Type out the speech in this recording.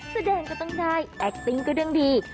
แสดงก็ต้องได้แอคติ้งก็ด้วยดี